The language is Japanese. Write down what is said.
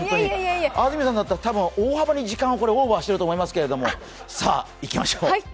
安住さんだったら大幅に時間をオーバーしているんだと思いますがさあ、いきましょう。